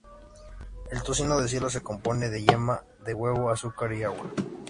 El tocino de cielo se compone de yema de huevo, azúcar y agua.